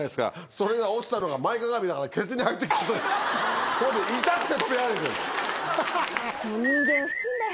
それが落ちたのが前かがみだからケツに入って来て痛くて跳びはねてる。